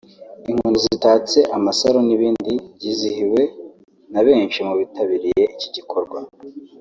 inkoni zitatse amasaro n’ibindi byizihiwe na benshi mu bitabiriye iki gikorwa